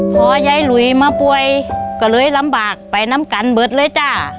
พอยายหลุยมาป่วยก็เลยลำบากไปน้ำกันเบิดเลยจ้า